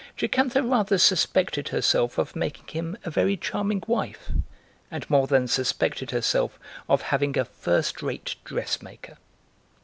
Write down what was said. Jocantha rather suspected herself of making him a very charming wife, and more than suspected herself of having a first rate dressmaker.